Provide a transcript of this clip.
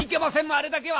あれだけは！